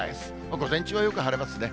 午前中はよく晴れますね。